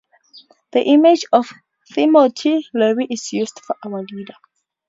The image of Timothy Leary is used for Our Leader.